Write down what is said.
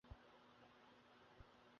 আমরা তার কোন কথা বিশ্বাস করতে পারি না।